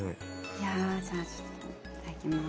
いやじゃあちょっといただきます。